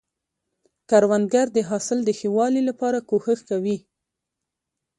کروندګر د حاصل د ښه والي لپاره کوښښ کوي